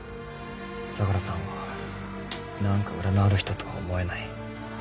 相良さんは何か裏のある人とは思えない。